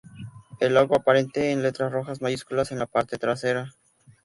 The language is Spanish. El logo aparece en letras rojas mayúsculas en la parte trasera.